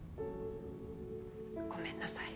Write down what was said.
ごめんなさい。